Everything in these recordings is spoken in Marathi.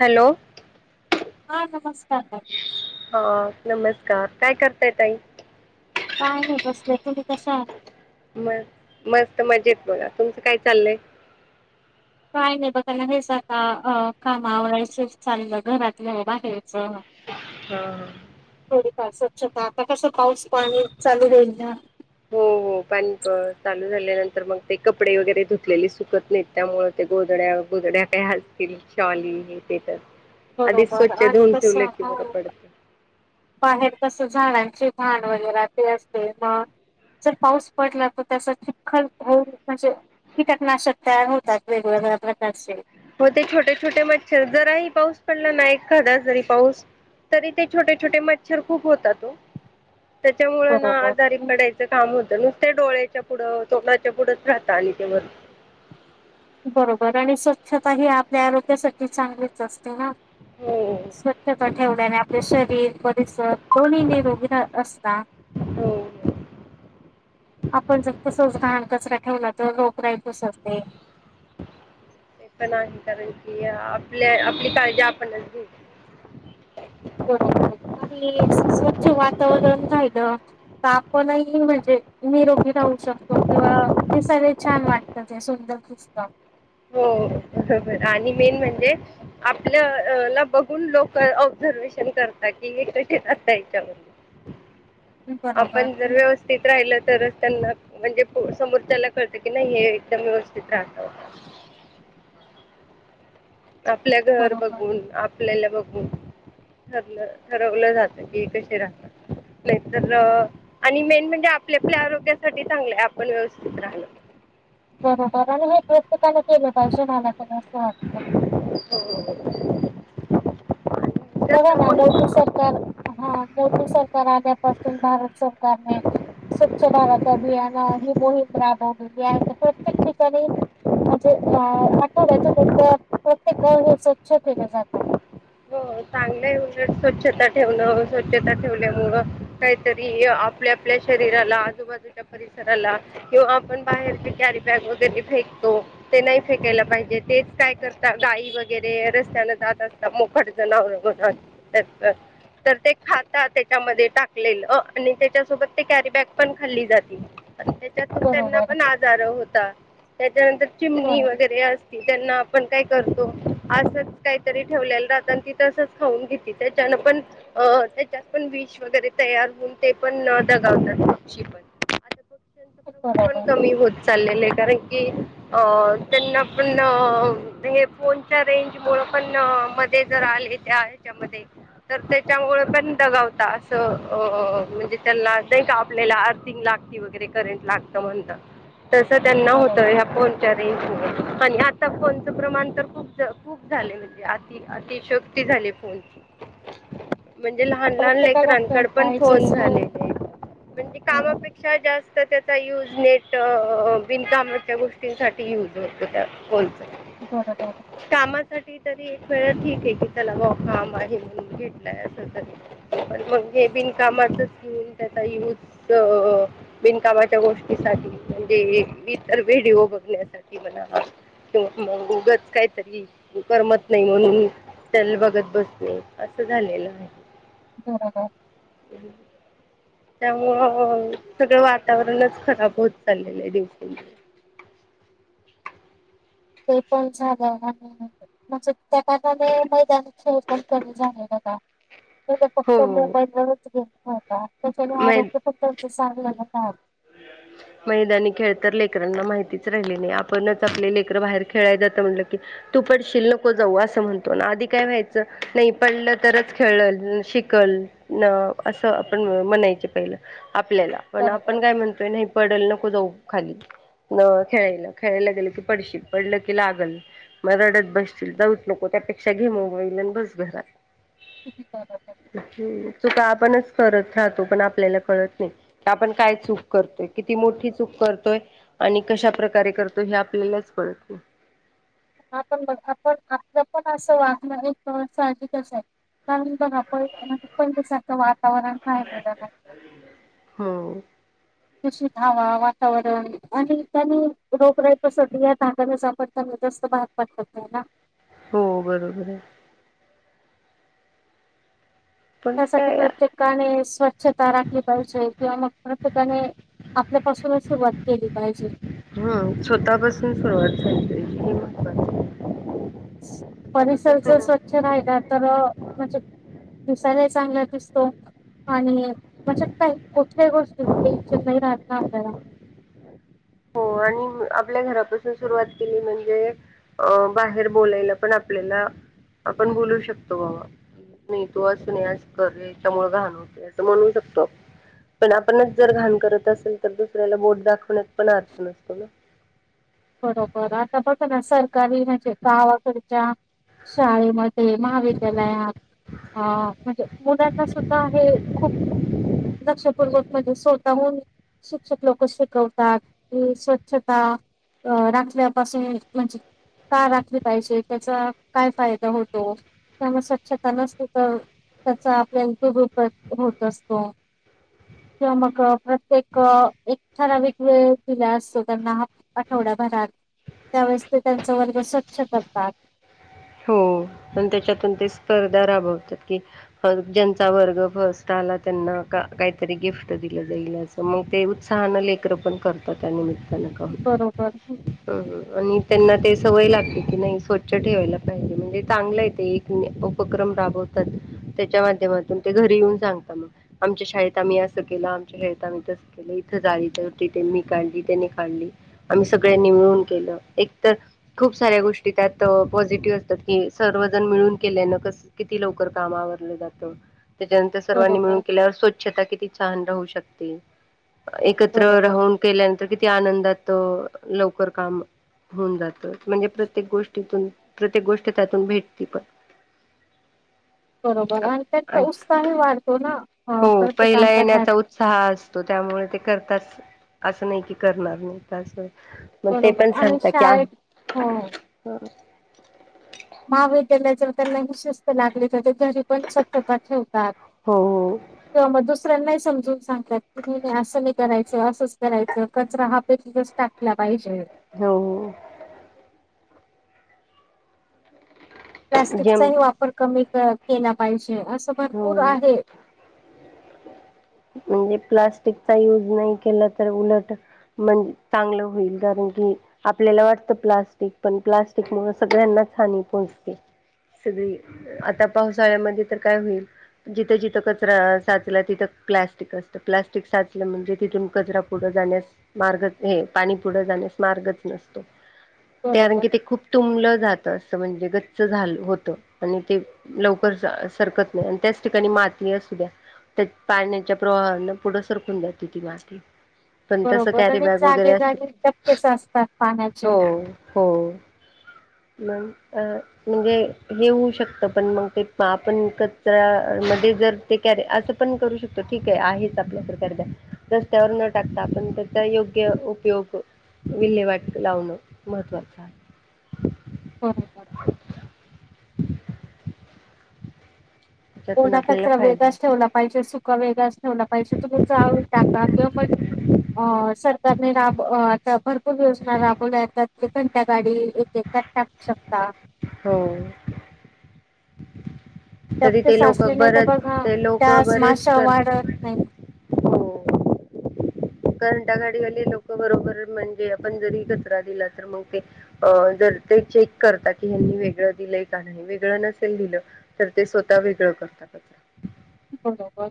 हॅलो.... हा नमस्कार.... हा नमस्कार काय करताय ताई.... काय नाही बसले तुम्ही कशा... म मस्त मज येत बोला तुमचं काय चाललंय.... काय नाही बघा ना हे जाग कामावरस चाललं घरातलं बाहेरचं... हा... थोडीफार स्वच्छता आता कसं पाऊस पाणी चालू देईल द... हो हो पानी चालू झाल्यानंतर मग ते कपडे वगैरे धुकलेले सुकत नाहीत त्यामुळे ते गोदड्या गोदड्या प असतील शॉली ते तर... आधीच बरोबर स्वच्छ आणि धऊन ठेवले कसं की बरं हो पडत.... बाहेर कस झाडांची भांडवल वगैरे ते असते मग.... जर पाऊस पडला तर त चिखखल होऊ म्हणजे.... कीटनाशक तयार होतात वेगवेगळ्या प्रकारचे.... हो ते छोटे छोटे मच्छर जराही पाऊस पडला ना एखादा जरी पाऊस... तरी ते छोटे छोटे मच्छर खूप होतातो त्याच्यामुळं ना बरोबर. आजारी हम्म. पडायच.... काम होत नुसते डोळयाच्या पुढं तोडाच्या पुढंच राहतं आणि ते... बरोबर आणि स्वच्छता ही आपल्या आरोग्यासाठी चांगलीच असते ना.... हो.... स्वच्छता ठेवल्याने आपले शरीर परिसर दोन्ही निरोगी असत... हो... आपण जर तसोच घाण कचरा ठेवला तर लोक रोगराई पसरते.. नाही कारण की आपल्या आपली काळजी आपणच घ... बरोबर आणि स्वच्छ वातावरण रहायल..... तर आपणही म्हणजे निरोगी राहू शकतो किंवा दिसायला छान वाटत. सुंदर दिसत हो बरोबर आणि मेन म्हणजे आपल्या ला बघून लोक ऑब्झर्वेशन करतात कि, हे कशे खाता याच्यामध्ये बरोबर आपण जर व्यवस्थित राहिल तरच त्यांना म्हणजे समोर त्याला कळतं की नाही हे एकदम व्यवस्थित राहत होत. आपल्या घर बरोबर बघून आपल्याला बघून ठरलं ठरवलं जात की कसे राहतात. नाही तर आणि मेन म्हणजे आपल्या आपल्या आरोग्यासाठी चांगलंय आपण व्यवस्थित राहल बरोबर आणि हे प्रत्येकाने केलं पाहिजे मला त्री असं वाटतं. बघा कसं ना मोठ मग सरकार हा मोठ सरकार आल्यापासून भारत सरकारने स्वच्छ भारत अभियान ही मोहीम राबवलेली आहे तर प्रत्येक ठिकाणी म्हणजे अ आठवड्यात मुदा प्रत्येक गाव हे स्वच्छ केले जातात चांगलं स्वच्छता ठेवण स्वच्छता ठेवल्यामुळ काहीतरी आपल्या आपल्या शरीराला आजूबाजूच्या परिसराला किंवा आपण बाहेरचे कॅरी बॅग वगैरे फेकतो. ते नाही फेकायला पाहिजे, तेच काय करता गाई वगैरे रस्त्यान जात असतात मोकड [inaudible] तर ते खाता त्याच्यामध्ये टाकलेल आणि त्याच्यासोबत ते कॅरी बॅग पण खाल्ली जाते. त्याच्यात त्यांना बरोबर पण आजार होता त्याच्यानंतर चिमणी बरोबर वगैरे अस त्यांना आपण काय करतो असच काहीतरी ठेवलेल राहट त तसच खाऊन घेते त्याच्यान पण अ त्याच्यात पण विष वगैरे तयार होऊन ते पण दगावतात पण आता पक्ष्यांचं प्रमाण पण बरोबर कमी होत चाललेले आहे कारण की अ त्यांना पण हे फोनच्या रेंज मुळ पण म ते जर आले ते याच्या मध्ये तर त्याच्यामुळे पण दगावता असं अ म्हणजे त्यांना नाही का आपलेला आर्थिग लागते वगैरे करंट लागत म्हणत तस त्यांना होतं बरोबर ह फोन रेन्जमूळ पण आता फोनच प्रमाण तर खूप जास्त खूप झाले म्हणजे अति अतिशयोक्ती झाली फोनची म्हणजे लहान लहान प्रत्येकाला फोन लेकरांकड पण पाहिजेच फोन हो झाले म्हणजे बरोबर कामापेक्षा पेक्षा जास्त त्या चा यूज नेट बिनकामाच्या गोष्टींसाठी यूज होतो त्या फोनचा दोड [inaudible] [unintelligible] कामासाठी तरी एक वेळा ठीक आहे की त्याला हो काम आहे म भेटलाय असं तरी मग हे बिनकामाच स्क्रीन त्याचा यूज बिनकामा गोष्टीसाठी म्हणजे ईतर व्हिडिओ बघण्यासाठी ब त मग उगच काय तरी करमत नाही म्हणून त्याला बघत बसणे असं झालेलं आहे. बरोबर. ह त्यामुळं सगळं वातावरणच खराब होत चाललेलं आहे दिवशी दिवस ते पण साध म्हणजे त्याने मैदाना खेळ पण कमी झाले बघा फक्त हो मोबाईल वरच गेम खेळता, त्याच्याने आरोग्य फक्त चांगले नाही हो मैदानी खेळ तर लेकरांना माहितीच राहिली नाही, आपणच आपले लेकर बाहेर खेळाय जातं म्हटलं की. तू पडशील नको जाऊ असं म्हणतो ना आधी काय व्हायचं नाही पडलं तरच खेळल शिकल. न असं आपण म्हणायचे पहिलं आपल्याला पण बरोबर आपण काय म्हणतोय नाही पडल नको जाऊ खाली मग खेळायला, खेळायला गेलं की पडशील पडलं की लागल मग रडत बसतील जाऊच लोको त्यापेक्षा घेमबाईल आणि बस घरात किती ह् चु का आपणच करत पण आपल्याला कळत नाही आपण चूक करतोय. मोठी कशा प्रकारे करतो. हे आपल्यालाच कळत नाही. आपलं पण असं वागणं एक साहजिकच आहे. नाही बघा पण पणच्यासारखं वातावरण राहिलेलं नाही [unintelligible] हो वातावरणामुळे दूषित हवा रोगराई पसरते. जरदस्त बार पठत आहे ना [unintelligible] हो बरोबर आहे. पण त्यासाठी काय प्रत्येकाने स्वच्छता राखली पाहिजे किंवा मग प्रत्येकाने आपल्यापासून सुरवात केली पाहिजे स्वतःपासून सुरुवात झाली पाहिजे. स्वतःपासून परिसर सुरू स्वच्छ राहिला तर. दिसायला चांगला दिसतो. कुठल्याही गोष्टी च टेशन नाही राहत. आपल्याला हो आणि आपल्या घरापासून सुरुवात केली म्हणजे. अं बाहेर बोलायला पण आपल्याला आपण बोलू शकतो बाबा नाही तू अस नस करे याच्यामुळे घाणवते असं म्हणवू शकत पण आपणच जर घाण करत असेल तर दुसऱ्याला बोट दाखवण्यात पण अर्थ नसतो ना बरोबर आता बस ना सरकारी म्हणजे गावाकडच्या शाळे मध्ये मावी त्यालाय हा म्हणजे पुण्याचा सुद्धा आहे. खूप लक्षपूर्वक स्वतःहून शिक्षक लोक शिकवतात स्वच्छता. अ राखल्यापासून म्हणज [unintelligible] स्वच्छता राखली पाहिजे त्याचा काय फायदा होतो. त्याचा आपल्या उपयोग होत. असतो. किंवा मग प्रत्येक एकठरा वेग दिला असतो त्यांना हा [unintelligible] त्यांचा वर्ग ते स्वच्छ करतात. त्याच्यातून ते स्पर्धा राबवतात. ज्यांचा वर्ग फर्स्ट आला त्यांना काहीतरी गिफ्ट दिलं जाईल अस [unintelligible] उत्साहानं लेकरं पण करतात त्यांना बरोबर हं, सवय लागते स्वच्छता ठेवायची उपक्रम राबवतात ते चांगले हे त्याच्या माध्यमातून ते घरी येऊन सांगता आमच्या शाळेत आम्ही असं केलं. इथं झाली ते होती ते मी काढली त्यानी काढली [unintelligible] आम्ही सगळ्यांनी मिळून खूप साऱ्या गोष्टीत पॉझिटिव्ह केल्या. सर्वजण मिळून केल्यान किती लवकर काम आवरलं जातं सर्वांनी मिळून बरोबर केल्यावर स्वच्छता राहू शकते. एकत्र बरोबर राहून केल्यानंतर आनंदात काम लवकर होऊ शकतं म्हणजे प्रत्येक गोष्टीतून प्रत्येक गोष्ट त्यातून भेटती. काम करण्यात आणि उत्साह वाढतो. सहा असतो त्यामुळे ते करताच असं नाही की करणार नाही त्या व [unintelligible] मग ते बरोबर पण आणि सांगतात. शाळेत हो की महाविद्यालया जवळ त्यांना वि शवस्त लागले तर ते घरी पण स्वच्छता ठेवतात [unintelligible] हो हो दुसऱ्यांना समजून सांगतात की असं करायचं असंच करायचं कचरा पेटीत टाकायचं असतो. पाहिजे. हो. हो. हो जम प्लास्टिकचाही वापर कमी केला पाहिजे. हो म्हणजे प्लास्टिकचा युज नाही केलं पाहिजे. कारण की चांगलं होईल आपल्याला वाटतं प्लास्टिक पण प्लास्टिक मुळे सगळ्यांना हानी पोचते. सगळी आता पावसाळ्यामध्ये तर काय होईल. जिथं जिथं कचरा साचला तिथं प्लॅस्टिक असतं प्लॅस्टिक साचलं म्हणजे तिथून कचरा पुढं जाण्यास मार्ग हे पाणी पुढं जाण्यास मार्गच नसतो ते बरोबर आणखी ते खूप तुंबलं जात असं म्हणजे गच्च झाल होत आणि ते लवकर सरकत नाही आणि त्याच ठिकाणी माती असू द्या. पाण्याच्या प्रवाहने पुढं सरकून जाते ती माती. पण तस बरोबर कॅरी आणि बॅग वगैरे जागे असतील. जागे टप्पेच असतात पाण्याचे हो हो. मग अ म्हणजे हे होऊ शकतं पण मग ते आपण कचरा्या मध्ये जर ते कॅरे असं पण करू शकतो ठीक आहेच आपल्याकडे कॅरीबॅग रस्त्यावर न टाकता आपण त्याचा योग्य उपयोग. विल्हेवाट लावणं महत्त्वाचं आहे. बरोबरं हो त्याच्यातून आपल्याला कचरा फायदा वेगळाच होतो ठेवला पाहिजे [inaudible] वेगळच ठेवला पाहिजे तुम्ही जाळून टाका किंवा मग राब आता भरपूर योजना राबवल्या येतात ते कोणत्या गाडी एक एककात टाकू शकता. हो. तरी डबके ते लोक साचले नाही तर बरच बघा ते लोक डास बरेच माश्या वाढत करतात. नाही. घन्टा गाडी लोक बरोबर म्हणजे आपण जरी कचरा दिला तर मग ते अ जर ते चेक करतात की हनी वेगळं दिलंय का नाही वेगळं नसेल दिलं. तर ते स्वतः वेगळं करतातच. बरोबर.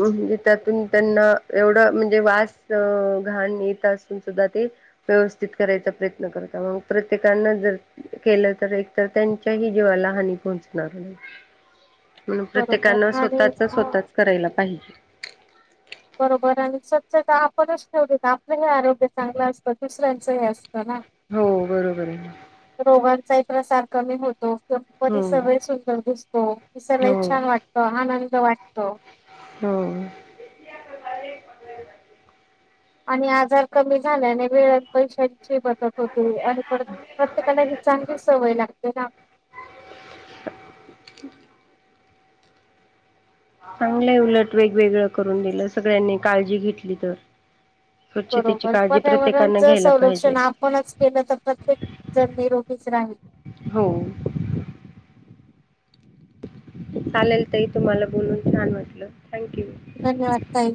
म्हणजे त्यातून त्यांना एवढं म्हणजे वास घाण येत असून सुद्धा ते व्यवस्थित करायचा प्रयत्न करत मग प्रत्येकना जर केलं तर एकतर त्यांच्याही जीवाला हानी पोहोचणार नाही. म्हण बरोबर प्रत्येकानं आणि स्वतःचच अ स्वतःच करायला पाहिजे. बरोबर आणि स्वच्छता आपणच ठेवली आपलं हे आरोग्य चांगलं असतं दुसऱ्यांचं हे असतं ना. हो बरोबर आहे ना. रोगांचाही प्रसार कमी होतो. परीसर हम्म सगळे सुंदर दिसतो ते सगळे हो छान वाटत आनंद वाटत. हो. आणि आजार कमी झाल्याने वेळात पैशांची बर. आणि पर प्रत्येकाला चांगली सवय लागते ना. [inaudible] चांगलंय उलट वेगवेगळं करून दिलं सगळ्यांनी काळजी घेतली तर. स्वच्छतेची बरोबर काळजी प्रत्येकानं पर्यावरणच घ्यायला पाहिजे. संरक्षण आपणच केलं तर प्रत्येक जर निरोगीच राहील. हो. चालेल ताई तुम्हाला बोलून, छान म्हटलं थँक यू. धन्यवाद ताई.